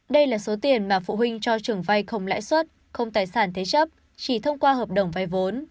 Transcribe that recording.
đây là số tiền mà phụ huynh cho trường vay không lãi xuất không tài sản thế chấp chỉ thông qua hợp đồng vay vốn